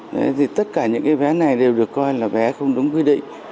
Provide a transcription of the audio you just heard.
đấy thì tất cả những cái vé này đều được coi là vé không đúng quy định